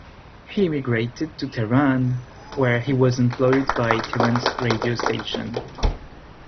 He immigrated to Tehran where he was employed by Tehran Radio Station.